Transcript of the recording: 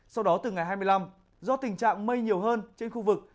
sau đó từ ngày hai mươi năm do tình trạng mây nhiều hơn trên khu vực